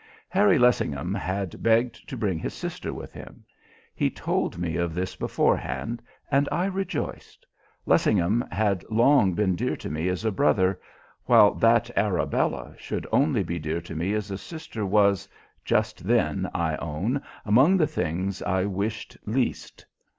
Harry Lessingham had begged to bring his sister with him. He told me of this beforehand, and I rejoiced. Lessingham had long been dear to me as a brother; while that Arabella should only be dear to me as a sister was, just then, I own, among the things I wished least.